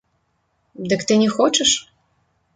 Дык ты не хочаш?